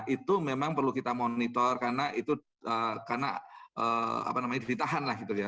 itu memang perlu kita monitor karena itu ditahan